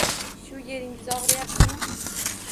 Shu yeringiz og’riyaptimi?